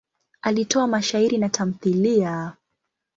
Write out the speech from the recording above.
Alitoa mashairi na tamthiliya.